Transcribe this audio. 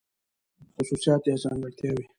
خصوصيات √ ځانګړتياوې